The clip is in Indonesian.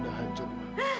dah hancur ma